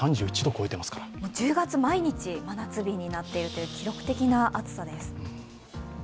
１０月、毎日真夏日になっているという記録的な暑さです。